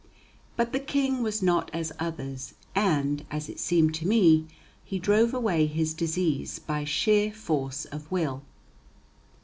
But the King was not as others, and, as it seemed to me, he drove away his disease by sheer force of will.